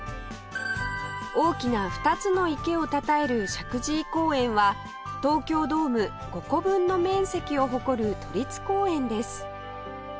大きな２つの池をたたえる石神井公園は東京ドーム５個分の面積を誇る都立公園です